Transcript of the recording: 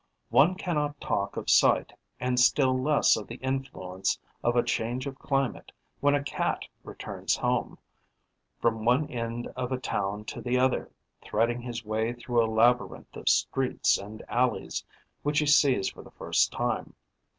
One cannot talk of sight and still less of the influence of a change of climate when a Cat returns home, from one end of a town to the other, threading his way through a labyrinth of streets and alleys which he sees for the first time.